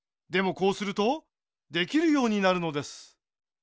こうするとできるようになるのです。